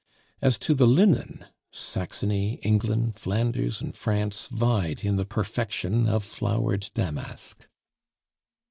As to the linen Saxony, England, Flanders, and France vied in the perfection of flowered damask.